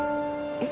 えっ？